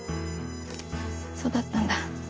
そうだったんだ。